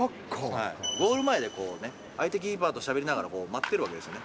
ゴール前で相手キーパーとしゃべりながら待ってるわけですよね。